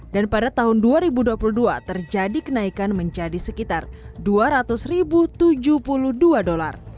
dan pada tahun dua ribu dua puluh dua terjadi kenaikan menjadi sekitar dua ratus tujuh puluh dua dolar